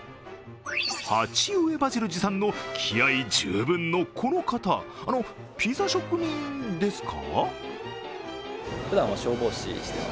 鉢植えバジル持参の気合い十分のこの方、あの、ピザ職人ですか？